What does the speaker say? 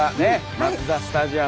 マツダスタジアム。